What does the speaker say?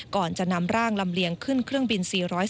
ก่อนจะนำร่างลำเลียงขึ้นเครื่องบิน๔๔